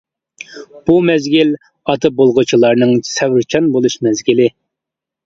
بۇ مەزگىل ئاتا بولغۇچىلارنىڭ سەۋرچان بولۇش مەزگىلى.